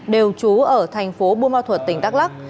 đều trú ở thành phố bùa mau thuật tỉnh đắk lắc